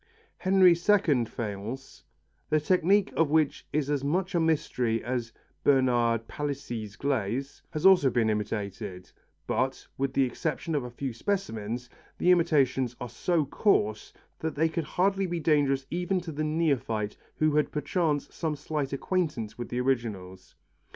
Henry II faience, the technique of which is as much a mystery as Bernard Palissy's glaze, has also been imitated, but, with the exception of a few specimens, the imitations are so coarse that they could hardly be dangerous even to the neophyte who had perchance some slight acquaintance with originals.